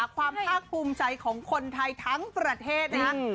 ความภาคภูมิใจของคนไทยทั้งประเทศนะครับ